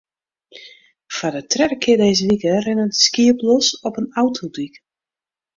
Foar de tredde kear dizze wike rinne der skiep los op in autodyk.